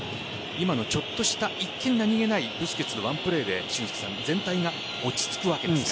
今のちょっとした一見何気ないブスケツのワンプレーで全体が落ち着くわけですね。